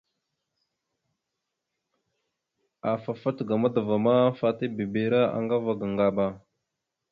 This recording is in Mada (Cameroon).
Afa fat ga madəva ma, fat ibibire aŋga ava ga Ŋgaba.